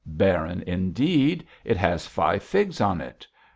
'Barren indeed! it has five figs on it.